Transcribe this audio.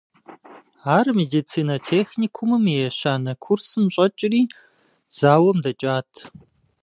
Ар медицинэ техникумым и ещанэ курсым щӏэкӏри, зауэм дэкӏат.